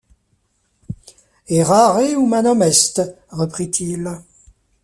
Errare humanum est! reprit-il.